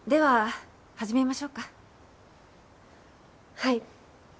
はい。